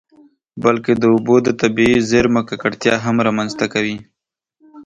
بلکې د اوبو د طبیعي زیرمو ککړتیا هم رامنځته کوي.